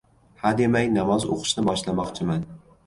— Hademay namoz o‘qishni boshlamoqchiman.